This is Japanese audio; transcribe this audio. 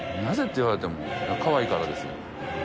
なぜって言われてもかわいいからですよ。